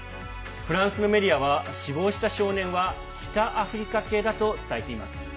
フランスのメディアは死亡した少年は北アフリカ系だと伝えています。